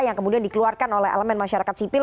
yang kemudian dikeluarkan oleh elemen masyarakat sipil